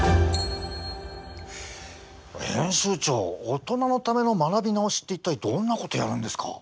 オトナのための学び直しって一体どんなことやるんですか？